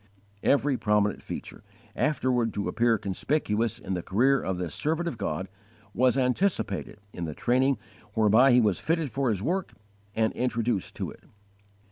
Every prominent feature, afterward to appear conspicuous in the career of this servant of God, was anticipated in the training whereby he was fitted for his work and introduced to it.